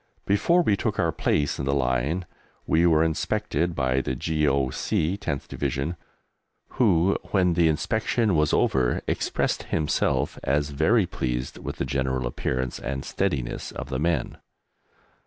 Before we took our place in the line we were inspected by the G.O.C. 10th Division, who, when the inspection was over, expressed himself as very pleased with the general appearance and steadiness of the men.